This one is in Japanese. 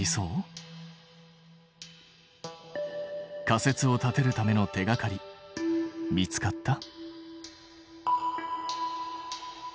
仮説を立てるための手がかり見つかった？